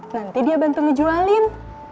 nanti dia bantu ngejualin